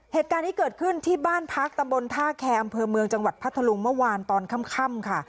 เหตุการณ์นี้เกิดขึ้นที่บ้านพักตำบลท่าแคร์อำเภอเมืองจังหวัดพัทธลุงเมื่อวานตอนค่ำค่ะ